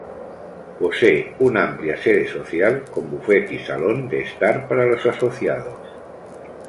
Posee una amplia sede social, con Buffet y Salón de estar para los asociados.